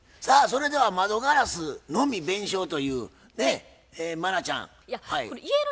さあそれでは窓ガラスのみ弁償というね茉奈ちゃんはい。